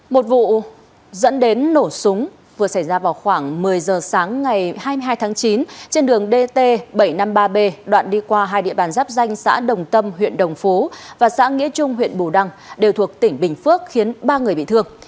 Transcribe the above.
một vụ dẫn đến nổ súng vừa xảy ra vào khoảng một mươi giờ sáng ngày hai mươi hai tháng chín trên đường dt bảy trăm năm mươi ba b đoạn đi qua hai địa bàn giáp danh xã đồng tâm huyện đồng phú và xã nghĩa trung huyện bù đăng đều thuộc tỉnh bình phước khiến ba người bị thương